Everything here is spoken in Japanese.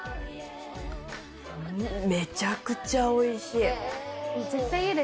めちゃくちゃおいしい。